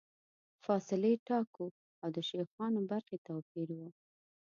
فاصلې ټاکو او د شیانو برخې توپیروو.